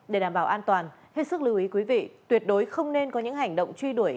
để đảm bảo an toàn hết sức lưu ý quý vị tuyệt đối không nên có những hành động truy đuổi